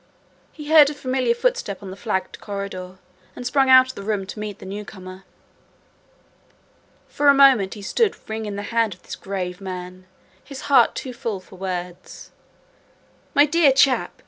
He heard a familiar footstep on the flagged corridor, and sprung out of the room to meet the newcomer. For a moment he stood wringing the hand of this grave man, his heart too full for words. "My dear chap!"